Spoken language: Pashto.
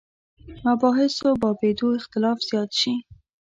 مباحثو بابېدو اختلاف زیات شي.